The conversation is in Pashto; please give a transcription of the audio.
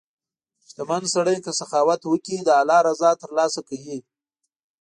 • شتمن سړی که سخاوت وکړي، د الله رضا ترلاسه کوي.